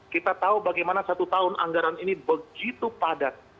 kita tahu bagaimana satu tahun anggaran ini begitu padat